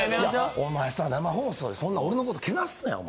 お前さ、生放送で俺のこと、けなすなよ。